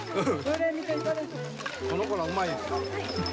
この子らうまい。